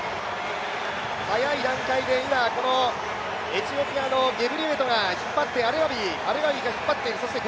早い段階で今、エチオピアのゲブリウェトが引っ張ってアレガウィが引っ張っている。